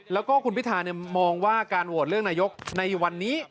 แล้วก็คุณพิธามองว่าการโหวตเลือกนายกในวันนี้